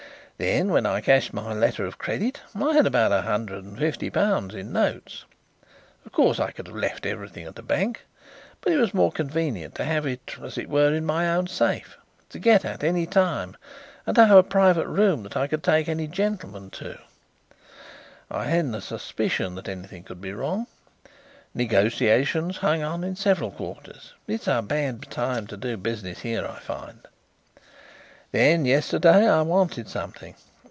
Then when I cashed my letter of credit I had about one hundred and fifty pounds in notes. Of course I could have left everything at a bank, but it was more convenient to have it, as it were, in my own safe, to get at any time, and to have a private room that I could take any gentlemen to. I hadn't a suspicion that anything could be wrong. Negotiations hung on in several quarters it's a bad time to do business here, I find. Then, yesterday, I wanted something.